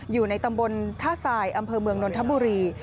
อยู่ในตำบลท่าทรายอำเภอเมืองนนทบุรี